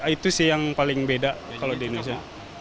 itu sih yang paling beda kalau di indonesia